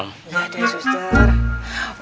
ya deh suster